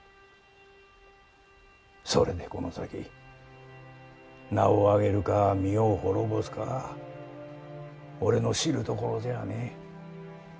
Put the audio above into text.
それでこの先、名をあげるか身を亡ぼすか俺の知るところじゃねぇ。